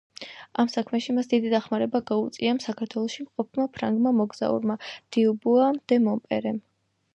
ამ საქმეში მას დიდი დახმარება გაუწია საქართველოში მყოფმა ფრანგმა მოგზაურმა დიუბუა დე მონპერემ.